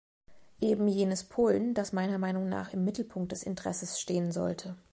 Eben jenes Polen, das meiner Meinung nach im Mittelpunkt des Interesses stehen sollte.